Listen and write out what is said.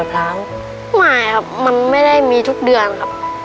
ล้างไม่ครับมันไม่ได้มีทุกเดือนครับ